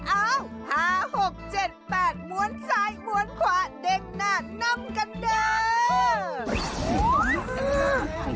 เอ้าห้าหกเจ็ดแปดหมวนซ้ายหมวนขวาเด็กหน้าน้ำกระเดิม